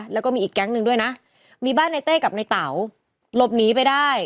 แล้วก็มีอีกแก๊งหนึ่งด้วยนะมีบ้านในเต้กับในเต๋าหลบหนีไปได้